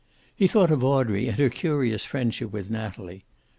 He thought of Audrey, and her curious friendship with Natalie.